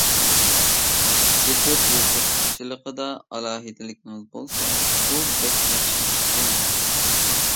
ئېتۇت يېزىقچىلىقىدا ئالاھىدىلىكىڭىز بولسا بۇ بەك ياخشى ئىشكەن.